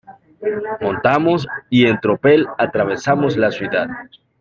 montamos, y en tropel atravesamos la ciudad.